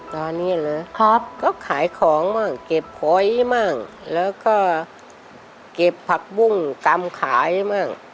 ตอนนี้เลยครับก็ขายของมาเก็บพ้อยมากแล้วก็เก็บผักปุ้งกำขายมาก